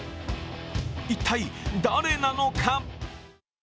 一体、誰なのか？